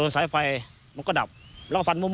จะ